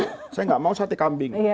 saya nggak mau sate kambing